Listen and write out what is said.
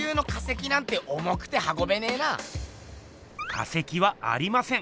化石はありません。